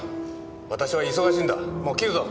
私は忙しいんだもう切るぞ！